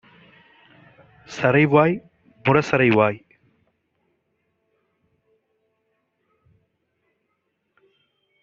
சறைவாய் முரசறைவாய்!